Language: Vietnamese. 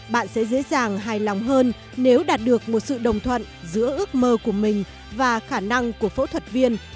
bạn sẽ dễ dàng hài lòng hơn nếu đạt được một sự đồng thuận giữa ước mơ của mình và khả năng của phẫu thuật viên